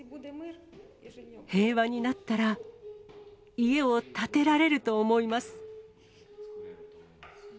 平和になったら、家を建てられると思います。